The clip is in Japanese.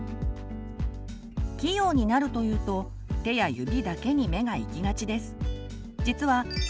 器用になるというと手や指だけに目が行きがちです。